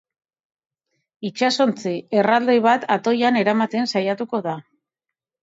Itsasontzi erraldoi bat atoian eramaten saiatuko da.